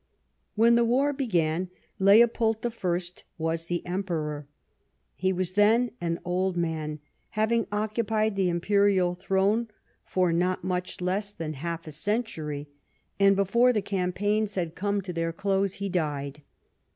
When the war began Leopold the First was the Emperor. He was then an old man, having occupied the imperial throne for not much less than half a 85 THE REIGN OF QUEEN ANNE century, and before the campaigns had come to their close he died.